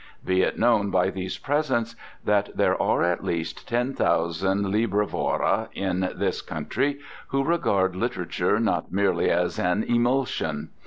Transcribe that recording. Be it known by these presents that there are at least ten thousand librivora in this country who regard literature not merely as an emulsion.